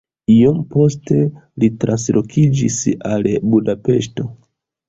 Iom poste li translokiĝis al Budapeŝto.